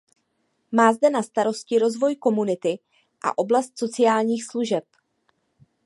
Má zde na starosti rozvoj komunity a oblast sociálních služeb.